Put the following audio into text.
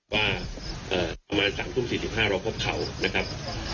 ว่าประมาณ๓ทุ่ม๔๕เราพบเขานะครับ